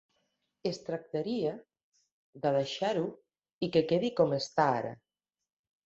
Es tractaria de deixar-ho i que quedi com està ara.